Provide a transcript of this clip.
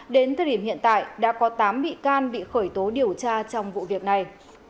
đến thời điểm hiện tại đã có tám bị can bị khởi tố điều tra trong vụ việc này